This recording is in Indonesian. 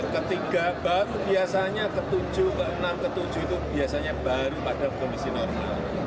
ketiga baru biasanya ketujuh keenam ketujuh itu biasanya baru pada kondisi normal